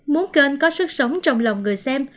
muốn kênh có sức sống trong lòng người xem